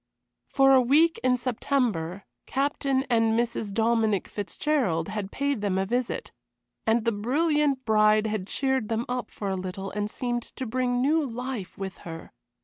For a week in September Captain and Mrs. Dominic Fitzgerald had paid them a visit, and the brilliant bride had cheered them up for a little and seemed to bring new life with her.